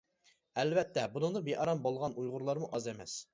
ئەلۋەتتە بۇنىڭدىن بىئارام بولغان ئۇيغۇرلارمۇ ئاز ئەمەس.